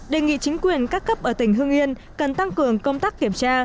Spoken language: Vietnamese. đề nghị chính quyền các cấp ở tỉnh hưng yên cần tăng cường công tác kiểm tra